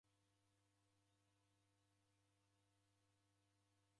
W'uya kushoo mwavuli